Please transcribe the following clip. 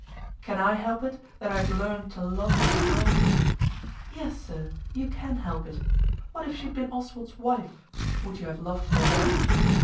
"Can I help it, that I have learnt to love this girl?" "Yes, sir, you can help it. What if she had been Oswald's wife; would you have loved her then?